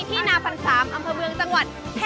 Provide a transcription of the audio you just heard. ที่นาฟัน๓อำเภาเมืองจังหวัดเทศชะพุรีค่ะ